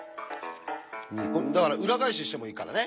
だから裏返ししてもいいからね。